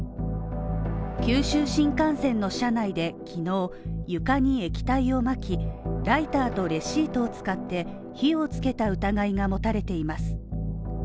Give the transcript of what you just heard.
九州新幹線の車内で、昨日、床に液体をまき、ライターとレシートを使って火をつけた疑いが持たれています。